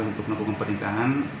untuk mengukum pertingkahan